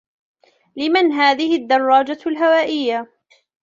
لِمن هذه الدرّاجة الهوائيّة؟